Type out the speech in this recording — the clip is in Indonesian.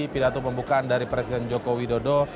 pidato pembukaan dari presiden joko widodo